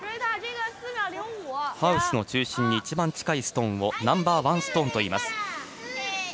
ハウスの中心に一番近いストーンをナンバーワンストーンといいます。